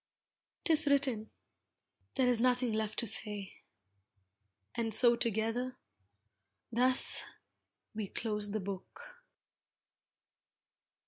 'Tis written ... there is nothing left to say, And so together ... thus, we close the book.